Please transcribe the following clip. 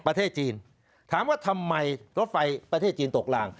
ประเทศจีนถามว่าทำไมรถไฟประเทศจีนตกลาง